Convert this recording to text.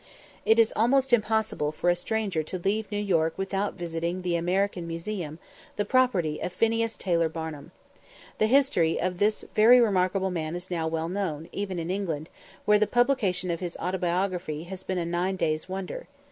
It was almost impossible for a stranger to leave New York without visiting the American museum, the property of Phineas Taylor Barnum. The history of this very remarkable man is now well known, even in England, where the publication of his 'Autobiography' has been a nine days' wonder.